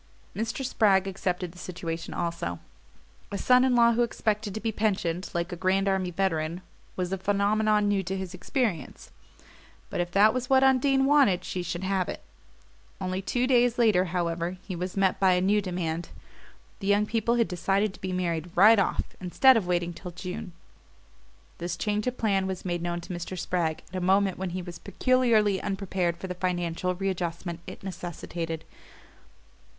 Mr. Spragg accepted the situation also. A son in law who expected to be pensioned like a Grand Army veteran was a phenomenon new to his experience; but if that was what Undine wanted she should have it. Only two days later, however, he was met by a new demand the young people had decided to be married "right off," instead of waiting till June. This change of plan was made known to Mr. Spragg at a moment when he was peculiarly unprepared for the financial readjustment it necessitated.